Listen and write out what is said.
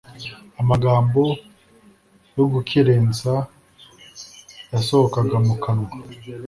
amagambo yo gukerensa yasohokaga mu kanwa